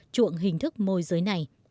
chuộng hình thức môi giới này